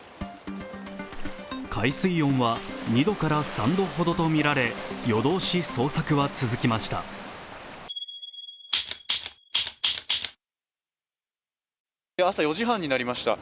海水温は２度から３度ほどとみられ、夜通し捜索は続きました。